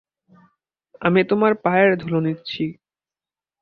আমি তোমার পায়ের ধুলো নিচ্ছি।